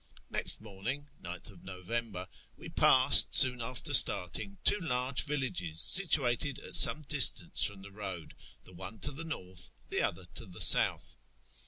Next morning (9th Xovember) we passed, soon after start ing, two large villages, situated at some distance from the road, the one to the north, the other to the south.